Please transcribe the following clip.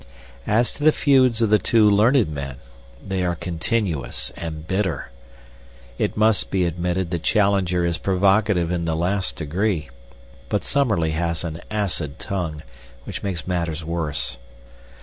As to the feuds of the two learned men, they are continuous and bitter. It must be admitted that Challenger is provocative in the last degree, but Summerlee has an acid tongue, which makes matters worse.